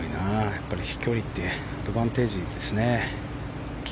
やっぱり、飛距離ってアドバンテージですね。